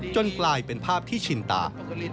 กลายเป็นภาพที่ชินตา